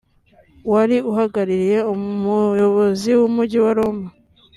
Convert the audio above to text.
wari uhagarariye Umuyobozi w’Umujyi wa Roma